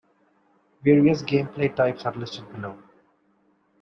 Various gameplay types are listed below.